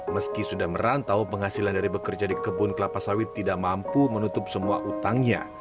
meski sudah merantau penghasilan dari bekerja di kebun kelapa sawit tidak mampu menutup semua utangnya